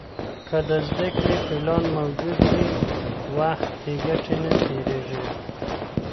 که د زده کړې پلان موجود وي، وخت بې ګټې نه تېرېږي.